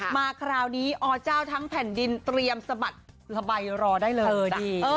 มาคราวนี้อเจ้าทั้งแผ่นดินเตรียมสะบัดสบายรอได้เลยดี